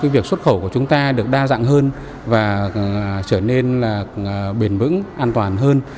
việc xuất khẩu của chúng ta được đa dạng hơn và trở nên bền vững an toàn hơn